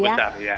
sepuluh besar ya